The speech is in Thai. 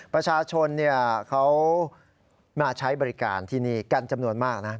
ประชาชนเขามาใช้บริการที่นี่กันจำนวนมากนะ